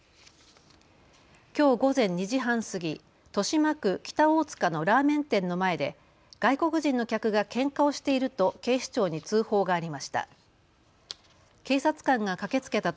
きょう午前２時半過ぎ、豊島区北大塚のラーメン店の前で外国人の客がけんかをしていると警視庁に通報がありました。